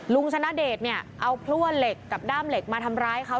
ชนะเดชเนี่ยเอาพลั่วเหล็กกับด้ามเหล็กมาทำร้ายเขา